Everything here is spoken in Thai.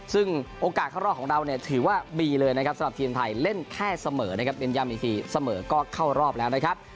ซึ่งโอกาสเข้ารอบของเราเนี่ยถือว่าดีเลยนะครับสำหรับทีมไทยเล่นแค่เสมอนะครับเน้นย้ำอีกทีเสมอก็เข้ารอบแล้วนะครับ